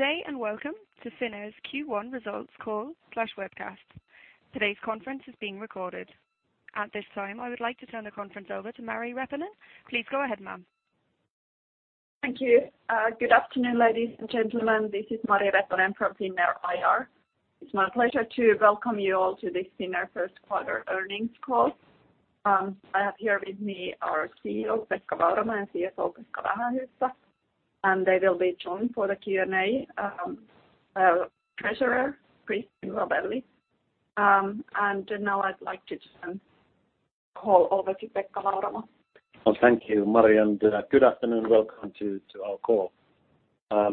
Good day and welcome to Finnair's Q1 results call/webcast. Today's conference is being recorded. At this time, I would like to turn the conference over to Mari Reponen. Please go ahead, ma'am. Thank you. Good afternoon, ladies and gentlemen. This is Mari Reponen from Finnair IR. It's my pleasure to welcome you all to this Finnair first quarter earnings call. I have here with me our CEO, Pekka Vauramo, and CFO, Pekka Vähähyyppä, and they will be joined for the Q&A by our treasurer, Kris Sigavelli. Now I'd like to turn the call over to Pekka Vauramo. Well, thank you, Mari, and good afternoon. Welcome to our call. We are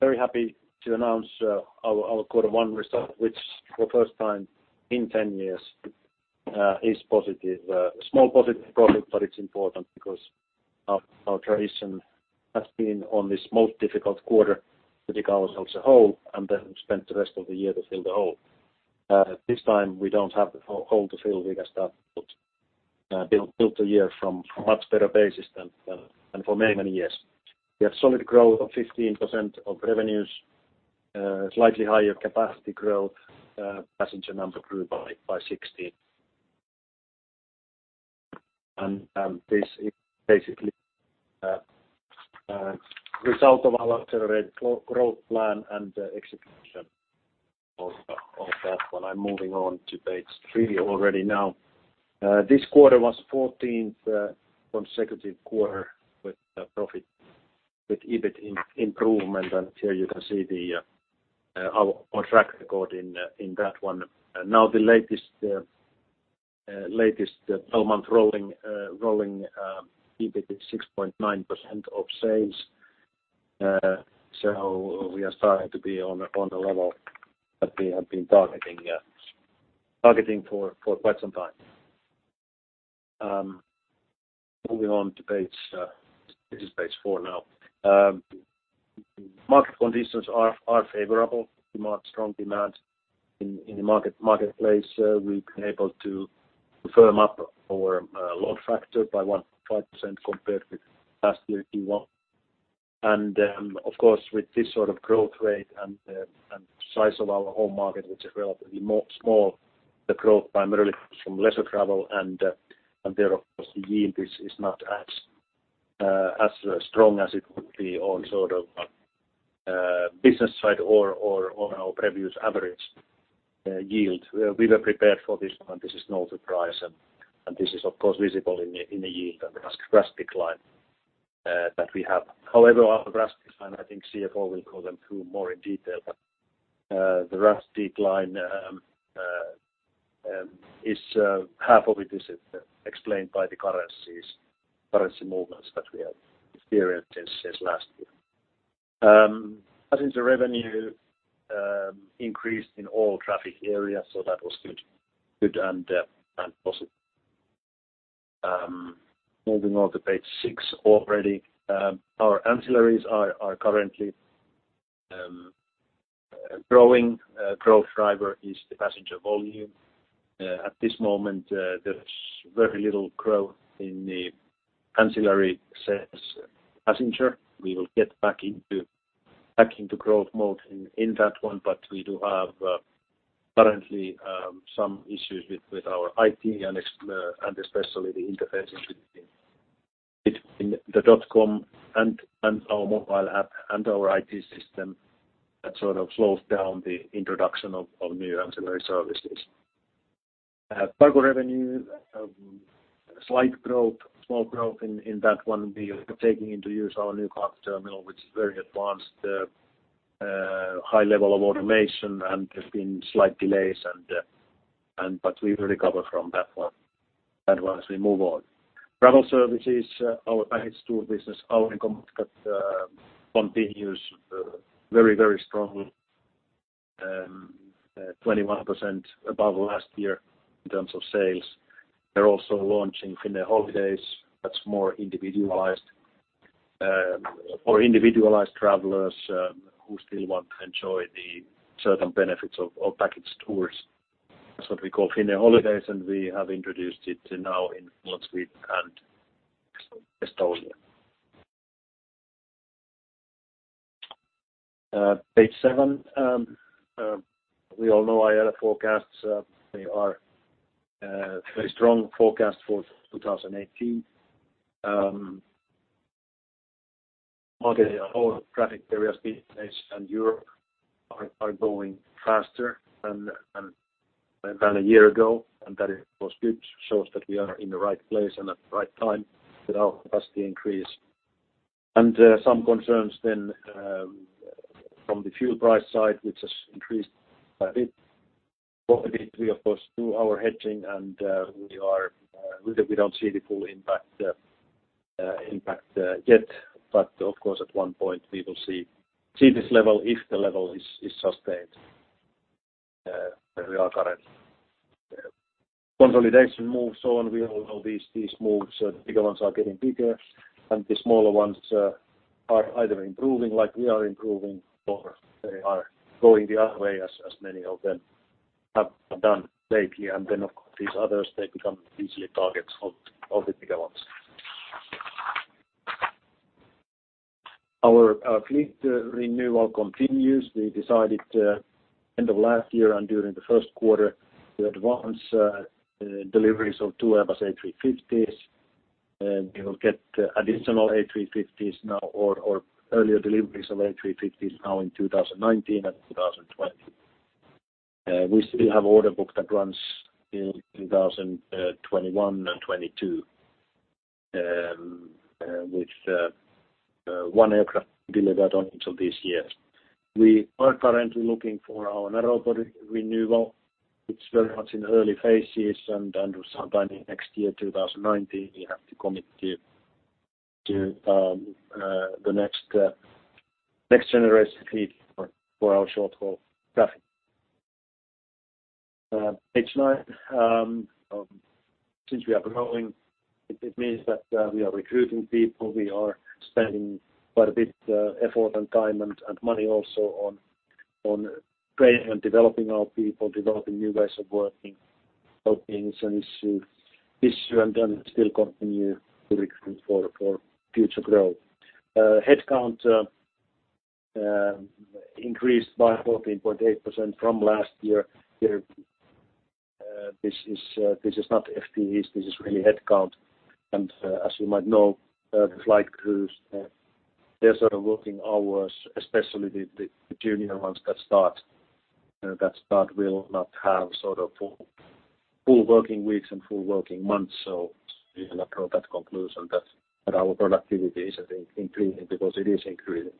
very happy to announce our quarter one result, which for the first time in 10 years is positive. A small positive profit, but it's important because our tradition has been on this most difficult quarter to dig ourselves a hole, and then we spend the rest of the year to fill the hole. This time, we don't have the hole to fill. We can start to build the year from much better basis than for many years. We have solid growth of 15% of revenues, slightly higher capacity growth. Passenger numbers grew by 16. This is basically a result of our accelerated growth plan and the execution of that one. I'm moving on to page three already now. This quarter was 14th consecutive quarter with a profit, with EBIT improvement, and here you can see our track record in that one. Now the latest 12-month rolling EBIT is 6.9% of sales. We are starting to be on the level that we have been targeting for quite some time. Moving on to page four now. Market conditions are favorable. Strong demand in the marketplace. We've been able to firm up our load factor by 1.5% compared with last year Q1. Of course, with this sort of growth rate and the size of our home market, which is relatively small, the growth primarily comes from leisure travel, and there, of course, the yield is not as strong as it would be on business side or on our previous average yield. We were prepared for this one. This is no surprise, this is of course visible in the yield and RASK decline that we have. Our RASK decline, I think CFO will go through more in detail, but the RASK decline, half of it is explained by the currency movements that we have experienced since last year. Passenger revenue increased in all traffic areas. That was good and positive. Moving on to page six already. Our ancillaries are currently growing. Growth driver is the passenger volume. At this moment, there's very little growth in the ancillary passenger. We will get back into growth mode in that one, but we do have currently some issues with our IT and especially the interfacing between the dot com and our mobile app and our IT system. That sort of slows down the introduction of new ancillary services. Cargo revenue, slight growth, small growth in that one. We are taking into use our new cargo terminal, which is very advanced, high level of automation. There's been slight delays, but we will recover from that one as we move on. Travel services, our package tour business, our income continues very strongly, 21% above last year in terms of sales. We're also launching Finnair Holidays. That's more for individualized travelers who still want to enjoy the certain benefits of package tours. That's what we call Finnair Holidays, and we have introduced it now in Finland, Sweden, and Estonia. Page seven. We all know IATA forecasts. They are very strong forecast for 2018. Market and all traffic areas, BHS and Europe are growing faster than a year ago. That, of course, shows that we are in the right place and at the right time with our capacity increase. Some concerns then from the fuel price side, which has increased a bit. We of course do our hedging. We don't see the full impact yet. Of course, at one point we will see this level if the level is sustained where we are currently. Consolidation moves on. We all know these moves. The bigger ones are getting bigger. The smaller ones are either improving like we are improving, or they are going the other way, as many of them have done lately. Of course, these others, they become easy targets of the bigger ones. Our fleet renewal continues. We decided end of last year and during the first quarter to advance deliveries of two Airbus A350s, and we will get additional A350s now or earlier deliveries of A350s now in 2019 and 2020. We still have order book that runs in 2021 and 2022, with one aircraft delivered until this year. We are currently looking for our narrow body renewal, which is very much in early phases and under sometime in next year, 2019, we have to commit to the next generation fleet for our short-haul traffic. Page nine. Since we are growing, it means that we are recruiting people, we are spending quite a bit effort and time and money also on training and developing our people, developing new ways of working, hoping it's an issue. Still continue recruiting for future growth. Headcount increased by 14.8% from last year. This is not FTEs, this is really headcount. As you might know, the flight crews their sort of working hours, especially the junior ones that start will not have full working weeks and full working months. You cannot draw that conclusion that our productivity isn't increasing because it is increasing.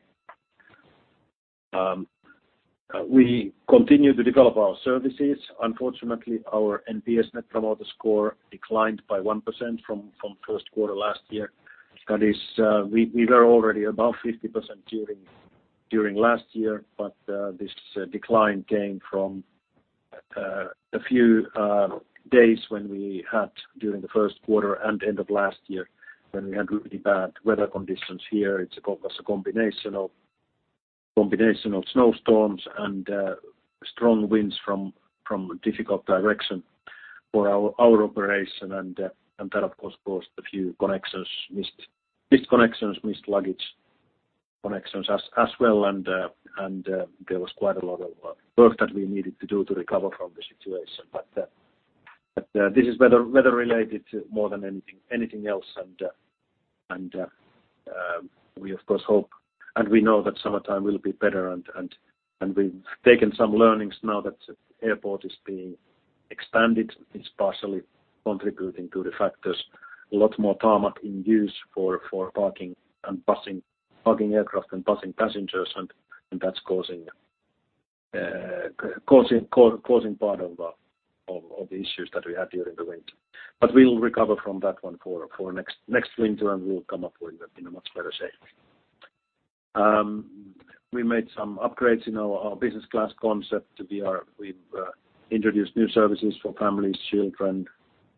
We continue to develop our services. Unfortunately, our NPS net promoter score declined by 1% from first quarter last year. That is we were already above 50% during last year, but this decline came from a few days when we had during the first quarter and end of last year, when we had really bad weather conditions here. It was a combination of snowstorms and strong winds from a difficult direction for our operation and that, of course, caused a few missed connections, missed luggage connections as well and there was quite a lot of work that we needed to do to recover from the situation. This is weather-related to more than anything else. We of course hope and we know that summertime will be better and we've taken some learnings now that airport is being expanded. It's partially contributing to the factors, a lot more tarmac in use for parking aircraft and busing passengers and that's causing part of the issues that we had during the winter. We'll recover from that one for next winter and we'll come up with in a much better shape. We made some upgrades in our business class concept. We've introduced new services for families, children,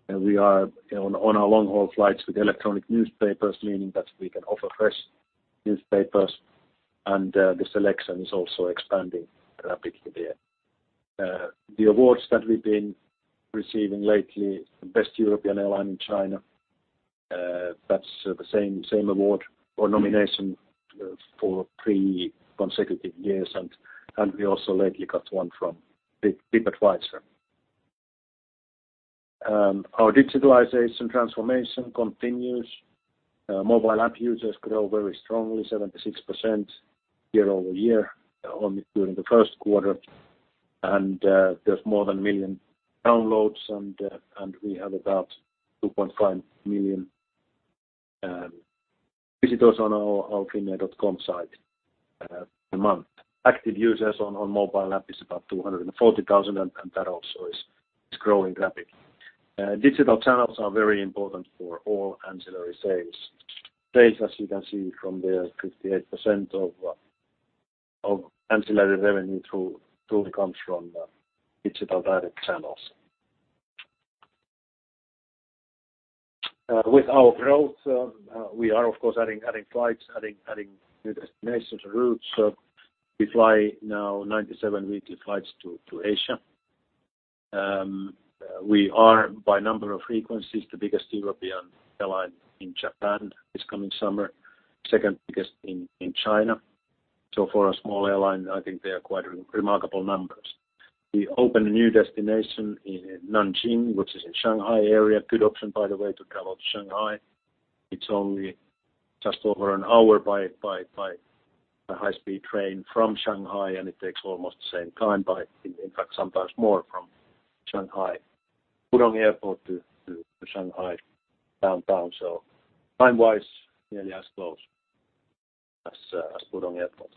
and we are on our long-haul flights with electronic newspapers, meaning that we can offer fresh newspapers and the selection is also expanding rapidly there. The awards that we've been receiving lately, Best European Airline in China that's the same award or nomination for three consecutive years and we also lately got one from TripAdvisor. Our digitalization transformation continues. Mobile app users grow very strongly, 76% year-over-year only during the first quarter. There's more than 1 million downloads and we have about 2.5 million visitors on our finnair.com site a month. Active users on mobile app is about 240,000, and that also is growing rapidly. Digital channels are very important for all ancillary sales. Sales, as you can see from there, 58% of ancillary revenue comes from digital direct channels. With our growth, we are of course adding flights, adding new destinations and routes. We fly now 97 weekly flights to Asia. We are by number of frequencies, the biggest European airline in Japan this coming summer, second biggest in China. For a small airline, I think they are quite remarkable numbers. We open a new destination in Nanjing, which is in Shanghai area. Good option, by the way, to travel to Shanghai. It's only just over an hour by a high-speed train from Shanghai, and it takes almost the same time by, in fact, sometimes more from Shanghai Pudong Airport to Shanghai downtown. Time-wise, nearly as close as Pudong Airport.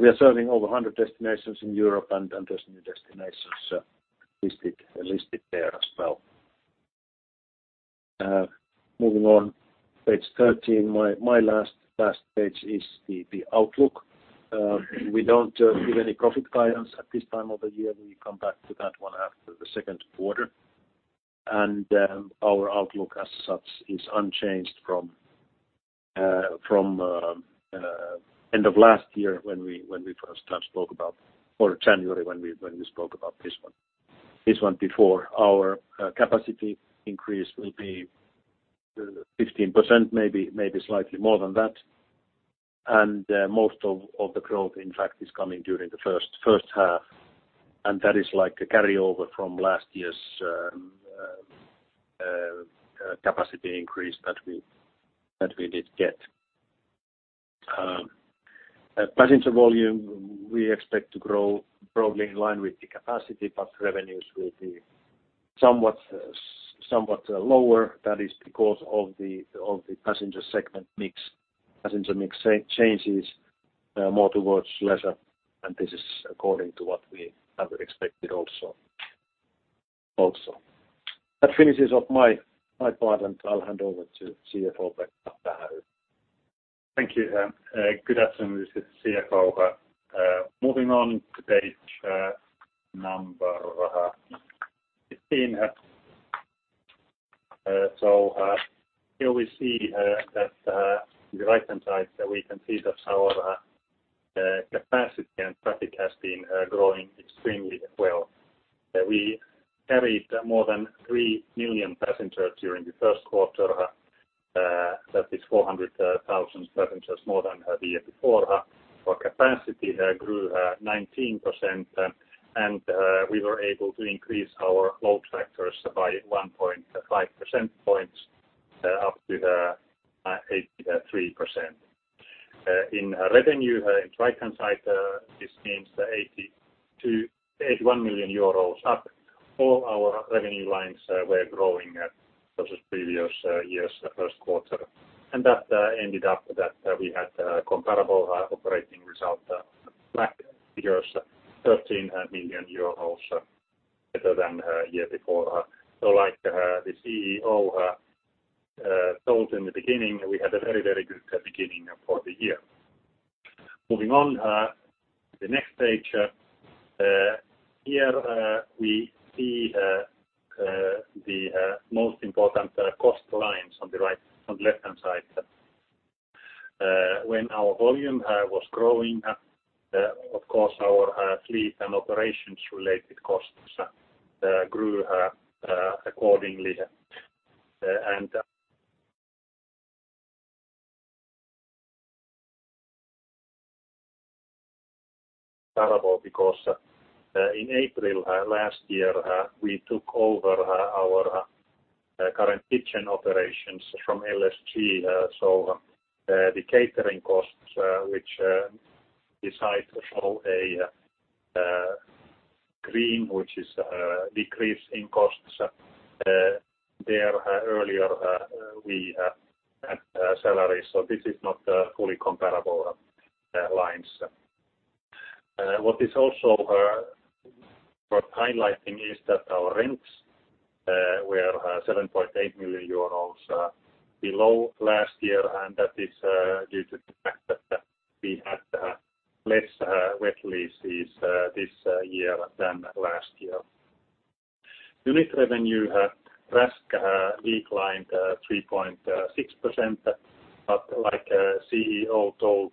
We are serving over 100 destinations in Europe and there's new destinations listed there as well. Moving on, page 13. My last page is the outlook. We don't give any profit guidance at this time of the year. We come back to that one after the second quarter. Our outlook as such is unchanged from end of last year when we first time spoke about or January when we spoke about this one before. Our capacity increase will be 15%, maybe slightly more than that. Most of the growth, in fact, is coming during the first half, and that is like a carryover from last year's capacity increase that we did get. Passenger volume, we expect to grow broadly in line with the capacity, but revenues will be somewhat lower. That is because of the passenger segment mix. Passenger mix changes more towards leisure, and this is according to what we have expected also. That finishes up my part, I'll hand over to CFO, Pekka Vähähyyppä. Thank you. Good afternoon. This is CFO. Moving on to page number 15. Here on the right-hand side we can see that our capacity and traffic has been growing extremely well. We carried more than 3 million passengers during the first quarter. That is 400,000 passengers more than the year before. Our capacity grew 19%, and we were able to increase our load factors by 1.5% points, up to 83%. In revenue, in right-hand side this means 81 million euros up. All our revenue lines were growing versus previous year's first quarter. That ended up that we had comparable operating result back figures, EUR 13 million better than the year before. Like the CEO told in the beginning, we had a very good beginning for the year. Moving on to the next page. Here we see the most important cost lines on the left-hand side. When our volume was growing, of course, our fleet and operations-related costs grew accordingly. Comparable because in April last year we took over our current kitchen operations from LSG. The catering costs, which decide to show a green, which is a decrease in costs, there earlier we had salaries. This is not fully comparable lines. What is also worth highlighting is that our rents were 7.8 million euros below last year, and that is due to the fact that we had less wet leases this year than last year. Unit revenue RASK declined 3.6%, like CEO told,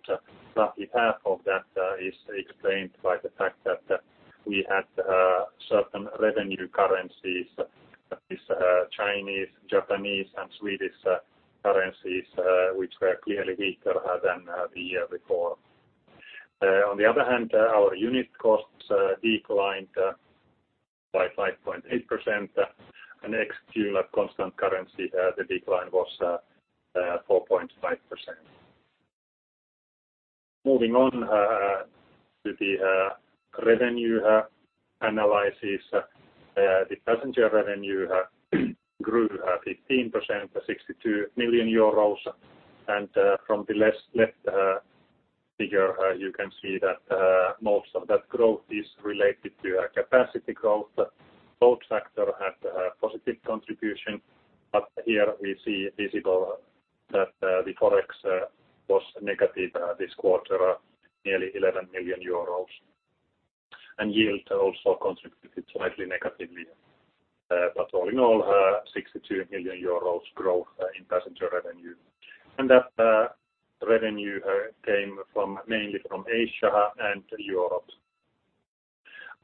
roughly half of that is explained by the fact that we had certain revenue currencies, that is Chinese, Japanese, and Swedish currencies, which were clearly weaker than the year before. On the other hand, our unit costs declined by 5.8%, and ex-fuel at constant currency the decline was 4.5%. Moving on to the revenue analysis. The passenger revenue grew 15% to 62 million euros. From the left figure you can see that most of that growth is related to capacity growth. Load factor had a positive contribution, here we see visible that the ForEx was negative this quarter, nearly 11 million euros. Yield also contributed slightly negatively. All in all, 62 million euros growth in passenger revenue. That revenue came mainly from Asia and Europe.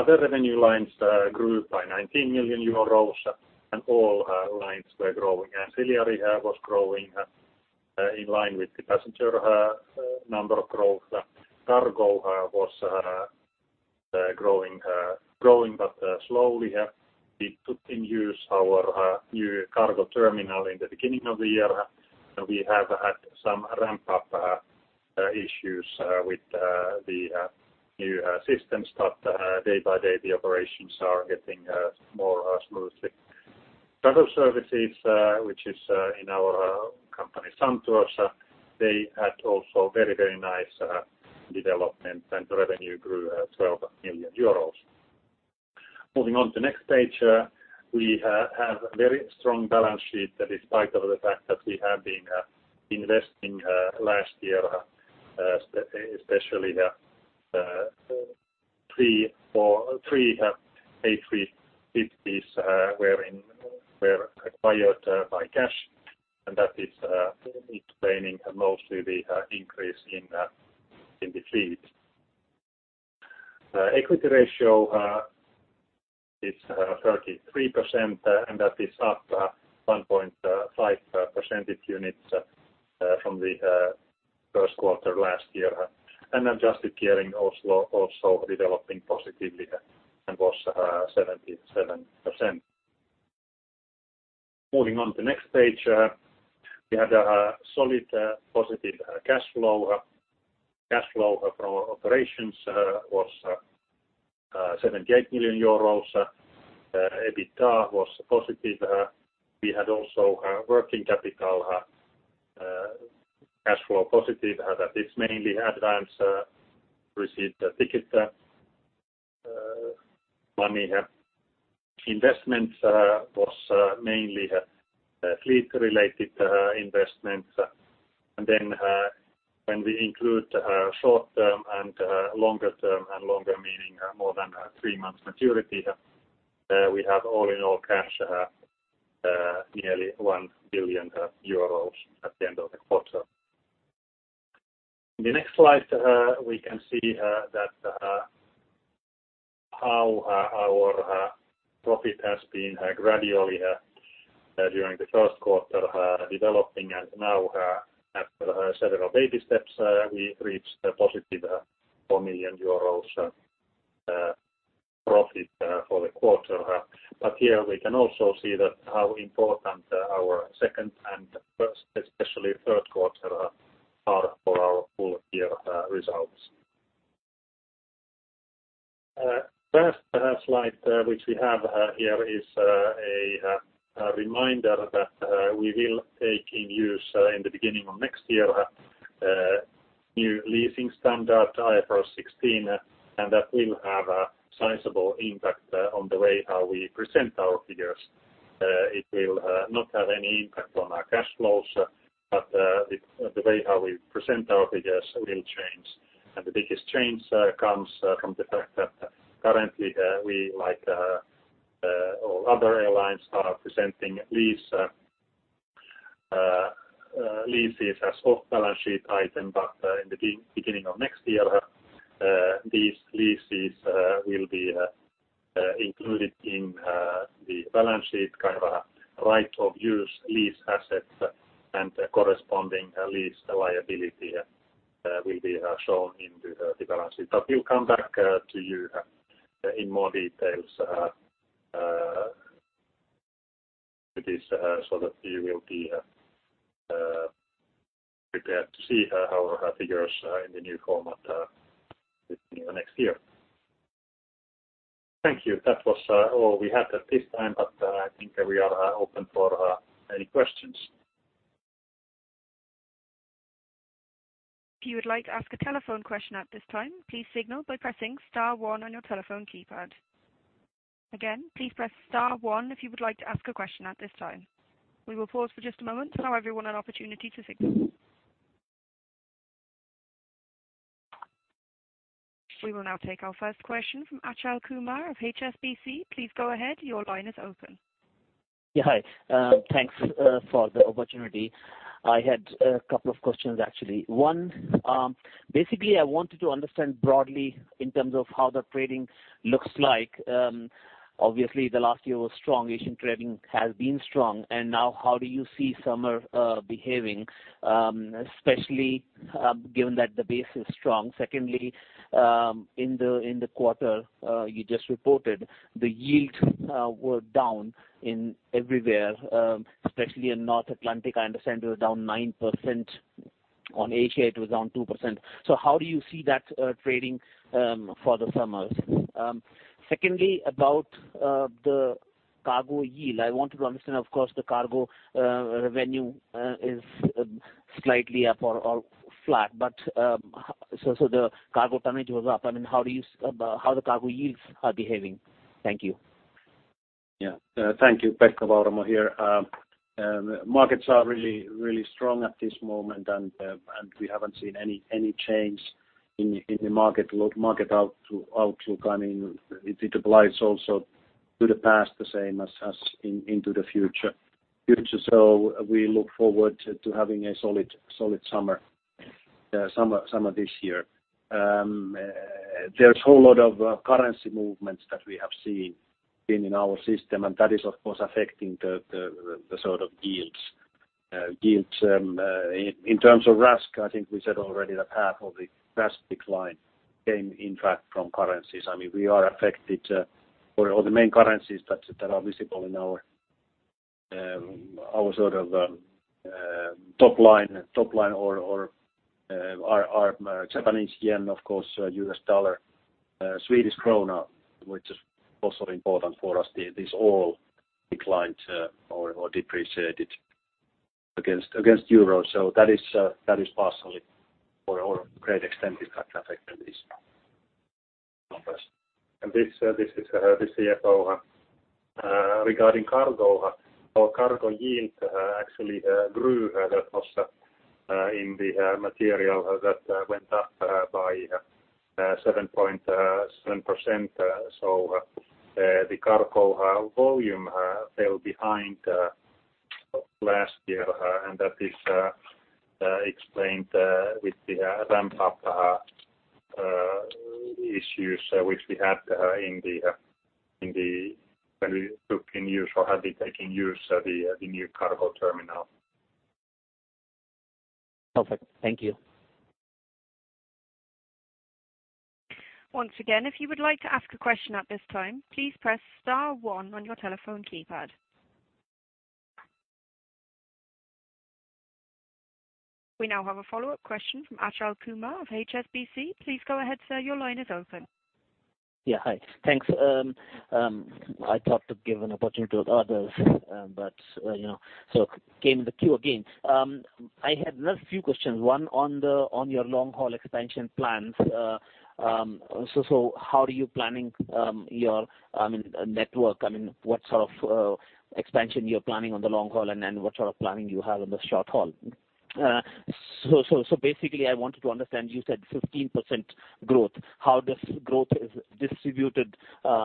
Other revenue lines grew by 19 million euros. All lines were growing. Ancillary was growing in line with the passenger number growth. Cargo was growing but slowly. We put in use our new cargo terminal in the beginning of the year, we have had some ramp-up issues with the new systems, day by day the operations are getting more smoothly. Travel services, which is in our company, Suntours, they had also very nice development and revenue grew 12 million euros. Moving on to next page. We have very strong balance sheet despite of the fact that we have been investing last year, especially three A350s were acquired by cash, and that is explaining mostly the increase in the fleet. Equity ratio is 33%, and that is up 1.5 percentage units from the first quarter last year. Adjusted gearing also developing positively and was 77%. Moving on to next page, we had a solid positive cash flow. Cash flow from our operations was EUR 78 million. EBITDA was positive. We had also working capital cash flow positive, and that is mainly advance received ticket money. Investments was mainly fleet-related investments. When we include short term and longer term, longer meaning more than three months maturity, we have all in all cash, nearly 1 billion euros at the end of the quarter. In the next slide, we can see that how our profit has been gradually, during the first quarter, developing and now after several baby steps, we reached a positive 4 million euros profit for the quarter. Here we can also see that how important our second and first, especially third quarter, are for our full year results. Last slide which we have here is a reminder that we will take in use in the beginning of next year, new leasing standard IFRS 16. That will have a sizable impact on the way how we present our figures. It will not have any impact on our cash flows, the way how we present our figures will change. The biggest change comes from the fact that currently we, like all other airlines, are presenting leases as off-balance sheet item, but in the beginning of next year, these leases will be included in the balance sheet, kind of a right of use lease asset and corresponding lease liability will be shown in the balance sheet. We'll come back to you in more details to this so that you will be prepared to see our figures in the new format beginning of next year. Thank you. That was all we had at this time, I think we are open for any questions. If you would like to ask a telephone question at this time, please signal by pressing star one on your telephone keypad. Again, please press star one if you would like to ask a question at this time. We will pause for just a moment to allow everyone an opportunity to signal. We will now take our first question from Achal Kumar of HSBC. Please go ahead. Your line is open. Yeah. Hi. Thanks for the opportunity. I had a couple of questions, actually. One, basically, I wanted to understand broadly in terms of how the trading looks like. Obviously, the last year was strong. Asian trading has been strong. How do you see summer behaving, especially given that the base is strong? Secondly, in the quarter you just reported, the yields were down everywhere, especially in North Atlantic. I understand it was down 9%, on Asia it was down 2%. How do you see that trading for the summers? Secondly, about the cargo yield, I wanted to understand, of course, the cargo revenue is slightly up or flat. The cargo tonnage was up. How the cargo yields are behaving? Thank you. Yeah. Thank you. Pekka Vauramo here. Markets are really strong at this moment, and we haven't seen any change in the market outlook. It applies also to the past the same as into the future. We look forward to having a solid summer this year. There's a whole lot of currency movements that we have seen in our system, and that is, of course, affecting the sort of yields. In terms of RASK, I think we said already that half of the RASK decline came in fact from currencies. We are affected by all the main currencies that are visible in our sort of top line, our Japanese yen, of course, US dollar, Swedish krona, which is also important for us. These all declined or depreciated against the euro. That is partially or to a great extent affecting these numbers. This is the CFO. Regarding cargo, our cargo yield actually grew. That was in the material that went up by 7.7%. The cargo volume fell behind last year, and that is explained with the ramp-up issues which we had when we took in use or have been taking use of the new cargo terminal. Perfect. Thank you. Once again, if you would like to ask a question at this time, please press star one on your telephone keypad. We now have a follow-up question from Achal Kumar of HSBC. Please go ahead, sir. Your line is open. Yeah. Hi. Thanks. I thought to give an opportunity to others, but so came the queue again. I had another few questions. One on your long-haul expansion plans. How are you planning your network? What sort of expansion you're planning on the long haul, what sort of planning you have on the short haul? Basically I wanted to understand, you said 15% growth. How this growth is distributed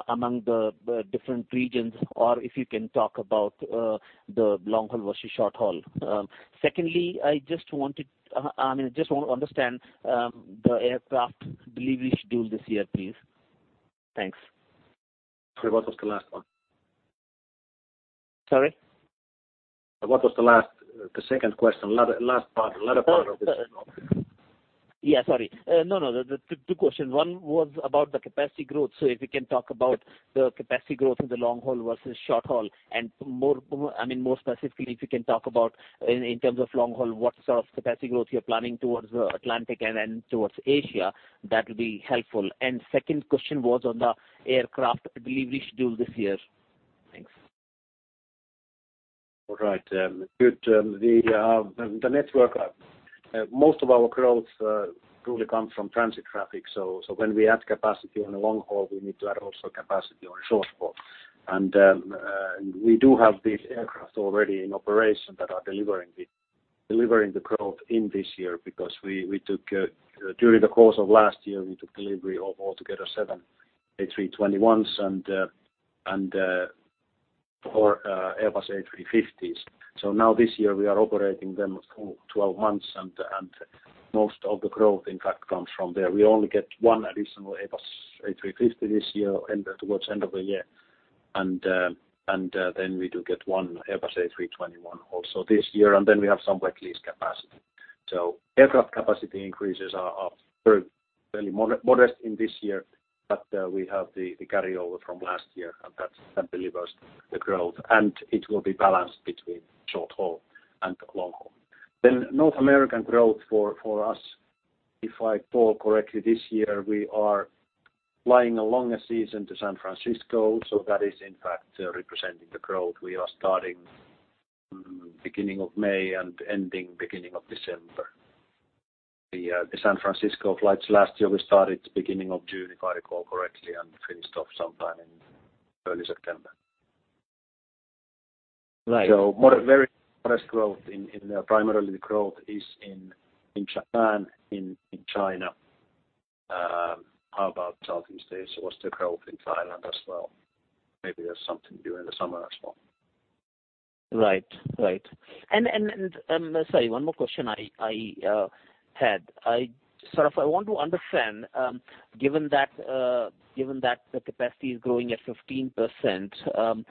among the different regions, or if you can talk about the long haul versus short haul. Secondly, I just want to understand the aircraft delivery schedule this year, please. Thanks. Sorry, what was the last one? Sorry? What was the last, the second question? Latter part of the second one. Yeah, sorry. No, the two questions. One was about the capacity growth. If you can talk about the capacity growth in the long haul versus short haul and more specifically, if you can talk about in terms of long haul, what sort of capacity growth you're planning towards Atlantic and then towards Asia. That will be helpful. Second question was on the aircraft delivery schedule this year. Thanks. All right. Good. The network, most of our growth truly comes from transit traffic. When we add capacity on the long haul, we need to add also capacity on the short haul. We do have these aircraft already in operation that are delivering the growth in this year because during the course of last year, we took delivery of altogether seven A321s and four Airbus A350s. Now this year we are operating them for 12 months and most of the growth in fact comes from there. We only get one additional Airbus A350 this year towards the end of the year. Then we do get one Airbus A321 also this year. Then we have some wet lease capacity. Aircraft capacity increases are very modest in this year, but we have the carryover from last year and that delivers the growth, and it will be balanced between short haul and long haul. North American growth for us, if I recall correctly, this year we are flying a longer season to San Francisco, so that is in fact representing the growth. We are starting beginning of May and ending beginning of December. The San Francisco flights last year we started beginning of June, if I recall correctly, and finished off sometime in early September. Right. very modest growth. Primarily the growth is in Japan, in China, about Southeast Asia. We saw growth in Thailand as well. Maybe there's something during the summer as well. Right. Sorry, one more question I had. I want to understand given that the capacity is growing at 15%,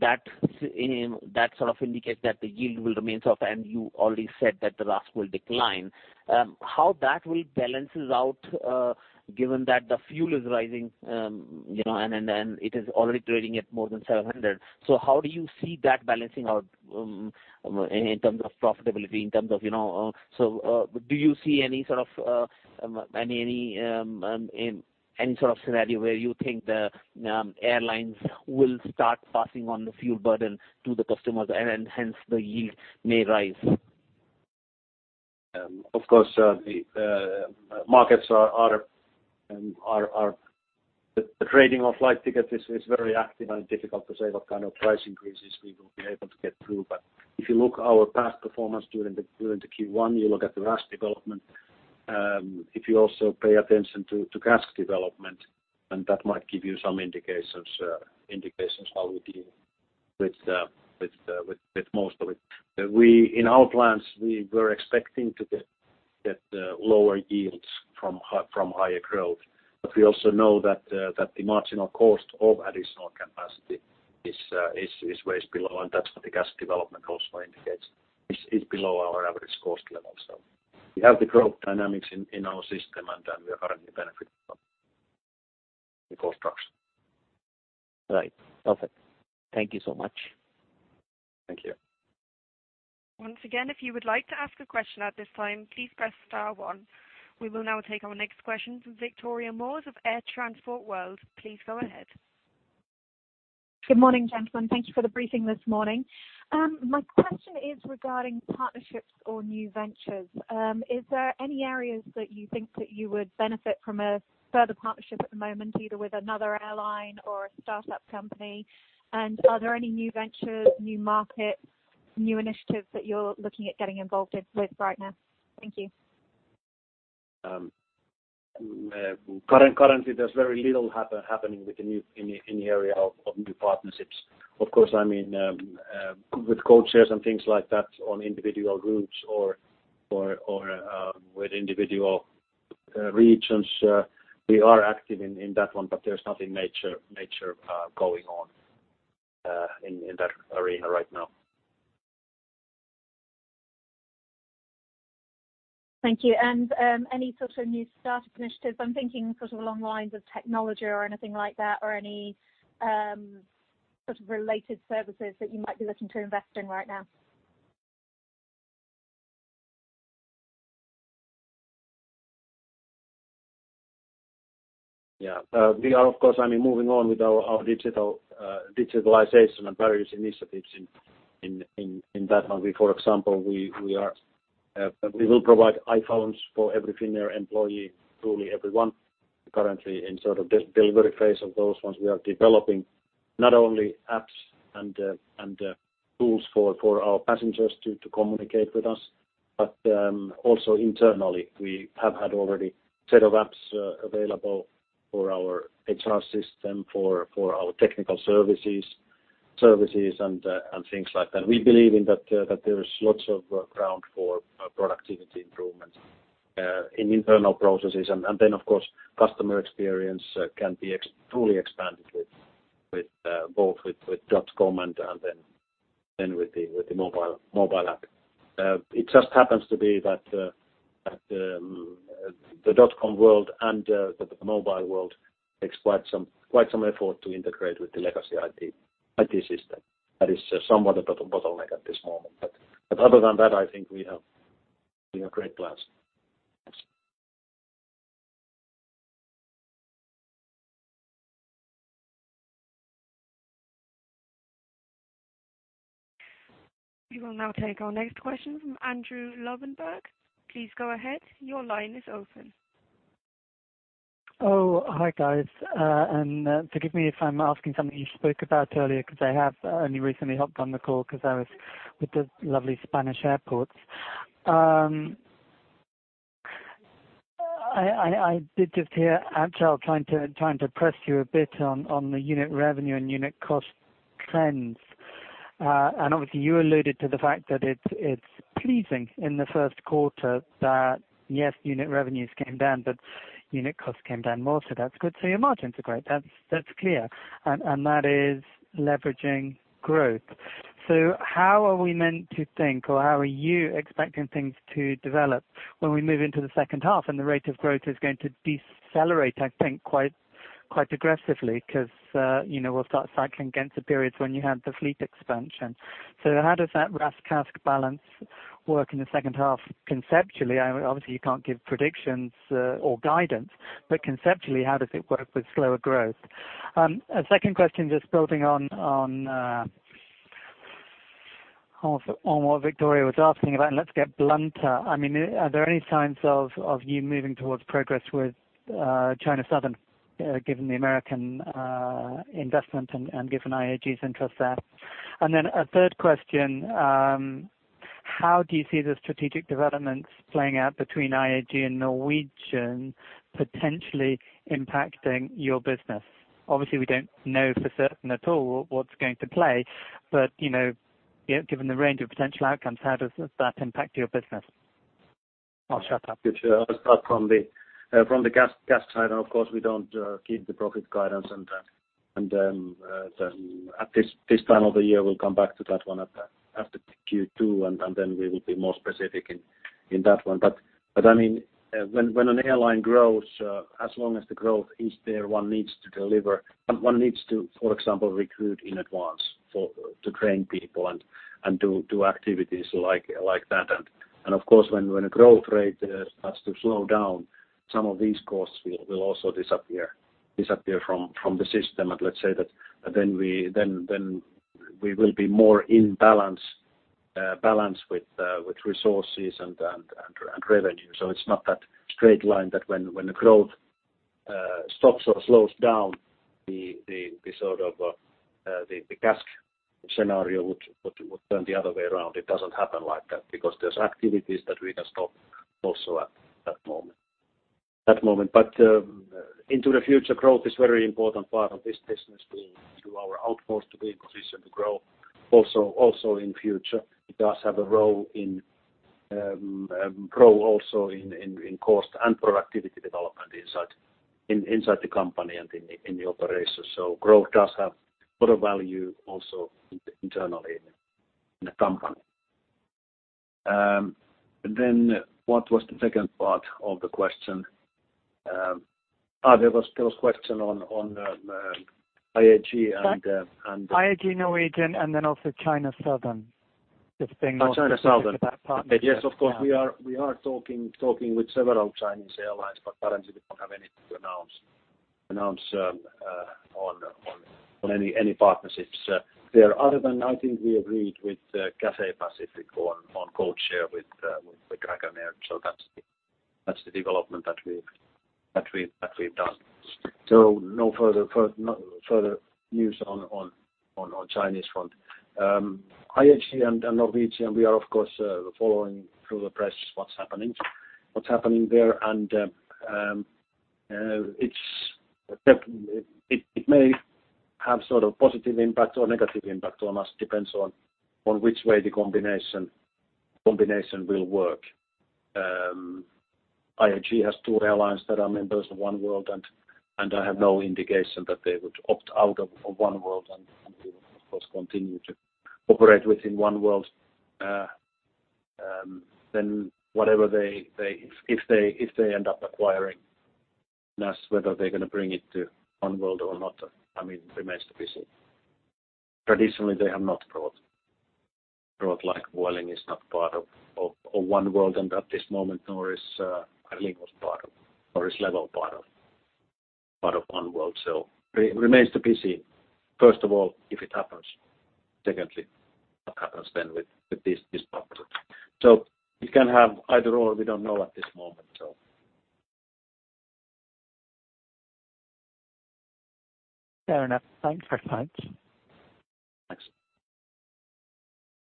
that sort of indicates that the yield will remain soft, and you already said that the RASK will decline. How that will balances out given that the fuel is rising, and it is already trading at more than 700. How do you see that balancing out in terms of profitability? Do you see any sort of scenario where you think the airlines will start passing on the fuel burden to the customers and hence the yield may rise? Of course, the trading of flight tickets is very active and difficult to say what kind of price increases we will be able to get through. If you look our past performance during the Q1, you look at the RASK development. If you also pay attention to CASK development, that might give you some indications how we're dealing with most of it. In our plans, we were expecting to get lower yields from higher growth. We also know that the marginal cost of additional capacity is way below, and that's what the CASK development also indicates. It's below our average cost level. We have the growth dynamics in our system, and we are currently benefiting from the cost structure. Right. Perfect. Thank you so much. Thank you. Once again, if you would like to ask a question at this time, please press star one. We will now take our next question from Victoria Moores of Air Transport World. Please go ahead. Good morning, gentlemen. Thank you for the briefing this morning. My question is regarding partnerships or new ventures. Is there any areas that you think that you would benefit from a further partnership at the moment, either with another airline or a startup company? Are there any new ventures, new markets, new initiatives that you're looking at getting involved with right now. Thank you. Currently, there's very little happening in the area of new partnerships, of course, with code shares and things like that on individual groups or with individual regions. We are active in that one, but there's nothing major going on in that arena right now. Thank you. Any sort of new startup initiatives? I'm thinking sort of along the lines of technology or anything like that, or any sort of related services that you might be looking to invest in right now. Yeah. We are, of course, moving on with our digitalization and various initiatives in that one. For example, we will provide iPhones for every Finnair employee, truly everyone. Currently in sort of delivery phase of those ones. We are developing not only apps and tools for our passengers to communicate with us, but also internally, we have had already set of apps available for our HR system, for our technical services and things like that. We believe in that there is lots of ground for productivity improvement in internal processes. Then of course, customer experience can be fully expanded both with dotcom and then with the mobile app. It just happens to be that the dotcom world and the mobile world takes quite some effort to integrate with the legacy IT system. That is somewhat a bottleneck at this moment. Other than that, I think we have great plans. We will now take our next question from Andrew Lobbenberg. Please go ahead. Your line is open. Forgive me if I'm asking something you spoke about earlier because I have only recently hopped on the call because I was with the lovely Spanish airports. I did just hear Achal trying to press you a bit on the unit revenue and unit cost trends. Obviously you alluded to the fact that it's pleasing in the first quarter that, yes, unit revenues came down, but unit cost came down more, so that's good. Your margins are great. That's clear and that is leveraging growth. How are we meant to think, or how are you expecting things to develop when we move into the second half and the rate of growth is going to decelerate, I think quite aggressively because we'll start cycling against the periods when you had the fleet expansion. How does that RASK CASK balance work in the second half? Conceptually, obviously you can't give predictions or guidance, but conceptually, how does it work with slower growth? A second question, just building on what Victoria was asking about, let's get blunter. Are there any signs of you moving towards progress with China Southern given the American investment and given IAG's interest there? A third question. How do you see the strategic developments playing out between IAG and Norwegian potentially impacting your business? Obviously, we don't know for certain at all what's going to play, but given the range of potential outcomes, how does that impact your business? I'll shut up. I'll start from the CASK side. Of course, we don't give the profit guidance. At this time of the year, we'll come back to that one after Q2. We will be more specific in that one. When an airline grows, as long as the growth is there, one needs to, for example, recruit in advance to train people and do activities like that. Of course, when a growth rate starts to slow down, some of these costs will also disappear from the system. Let's say that then we will be more in balance with resources and revenue. It's not that straight line that when the growth stops or slows down the sort of the CASK scenario would turn the other way around. It doesn't happen like that because there's activities that we can stop also at that moment. Into the future growth is very important part of this business being to our outpost to be in position to grow also in future. It does have a role in growth also in cost and productivity development inside the company and in the operations. Growth does have a lot of value also internally in the company. What was the second part of the question? There was question on IAG. IAG, Norwegian, then also China Southern. China Southern specific with that partnership. Yes, of course, we are talking with several Chinese airlines, currently we don't have anything to announce on any partnerships there other than I think we agreed with Cathay Pacific on code share with Dragonair. That's the development that we've done. No further news on our Chinese front. IAG and Norwegian, we are of course following through the press what's happening there and it may have sort of positive impact or negative impact on us, depends on which way the combination will work. IAG has two airlines that are members of Oneworld, and I have no indication that they would opt out of Oneworld and we would of course continue to operate within Oneworld. If they end up acquiring, that's whether they're going to bring it to Oneworld or not, remains to be seen. Traditionally, they have not brought like Vueling is not part of Oneworld and at this moment, nor is Aer Lingus part of, nor is LEVEL part of Oneworld. It remains to be seen. First of all, if it happens. Secondly, what happens then with this partner? It can have either or, we don't know at this moment. Fair enough. Thanks for your time. Thanks.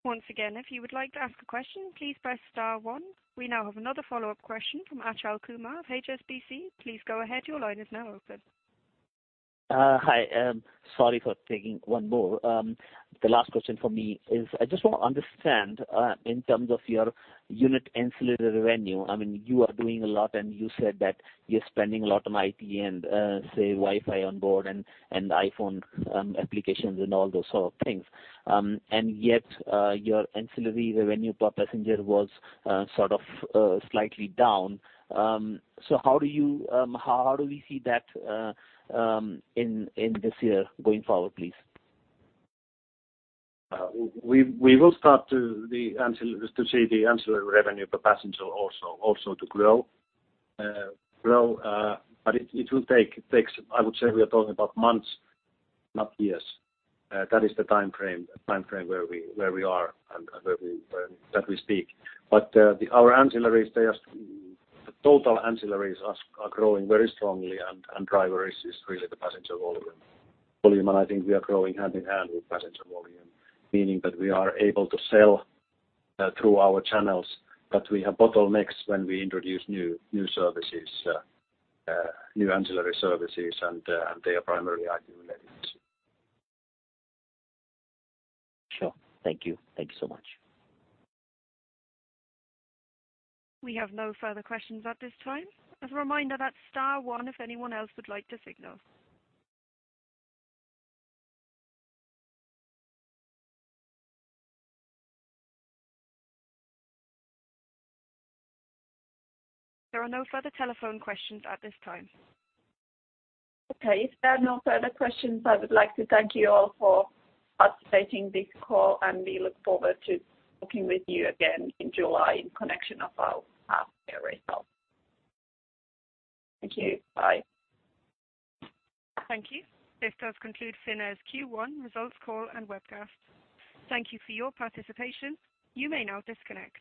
Once again, if you would like to ask a question, please press star one. We now have another follow-up question from Achal Kumar of HSBC. Please go ahead. Your line is now open. Hi. Sorry for taking one more. The last question from me is, I just want to understand in terms of your unit ancillary revenue. You are doing a lot and you said that you're spending a lot on IT, Wi-Fi on board, iPhone applications, and all those sort of things. Yet, your ancillary revenue per passenger was slightly down. How do we see that in this year going forward, please? We will start to see the ancillary revenue per passenger also to grow. It will take, I would say we are talking about months, not years. That is the timeframe where we are and that we speak. Our total ancillaries are growing very strongly and driver is really the passenger volume. I think we are growing hand in hand with passenger volume, meaning that we are able to sell through our channels, but we have bottlenecks when we introduce new ancillary services, and they are primarily IT-related. Sure. Thank you. Thank you so much. We have no further questions at this time. As a reminder, that's star one if anyone else would like to signal. There are no further telephone questions at this time. Okay. If there are no further questions, I would like to thank you all for participating in this call. We look forward to talking with you again in July in connection of our half year results. Thank you. Bye. Thank you. This does conclude Finnair's Q1 results call and webcast. Thank you for your participation. You may now disconnect.